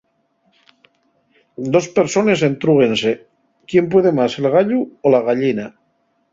Dos personas entrúguense, ¿quién puede más, el gallu o la gallina?.